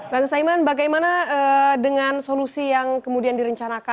bang saiman bagaimana dengan solusi yang kemudian direncanakan